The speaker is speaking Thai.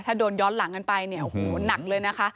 ถ้าโดนย้อนหลังกันไปเนี่ยโอ้โหหนักเลยนะคะ